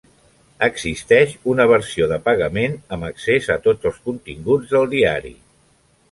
Existeix una versió de pagament amb accés a tots els continguts del diari.